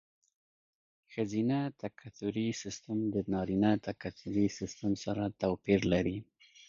ښځینه تکثري سیستم د نارینه تکثري سیستم سره توپیر لري.